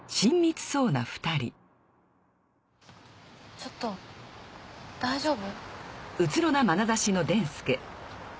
ちょっと大丈夫？